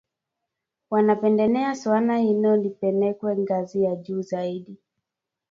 Wanapendelea suala hilo lipelekwe ngazi ya juu zaidi